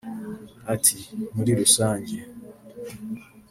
Ati” Muri rusange